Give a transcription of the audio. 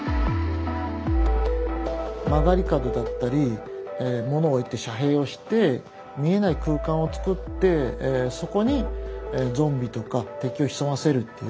曲がり角だったり物を置いて遮蔽をして見えない空間を作ってそこにゾンビとか敵を潜ませるっていう。